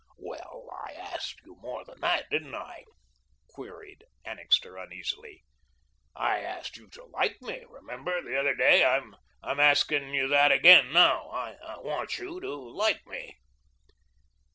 "Well, I asked you more than that, didn't I?" queried Annixter uneasily. "I asked you to like me, remember, the other day. I'm asking you that again, now. I want you to like me."